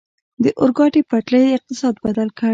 د اورګاډي پټلۍ اقتصاد بدل کړ.